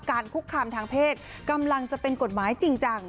คุกคามทางเพศกำลังจะเป็นกฎหมายจริงจัง